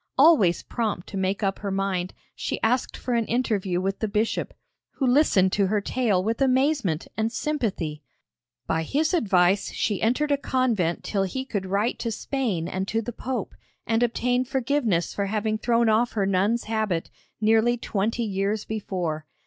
Always prompt to make up her mind, she asked for an interview with the bishop, who listened to her tale with amazement and sympathy. By his advice she entered a convent till he could write to Spain and to the Pope, and obtain forgiveness for having thrown off her nun's habit, nearly twenty years before.